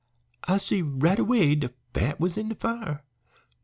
"I see right away de fat was in de fire.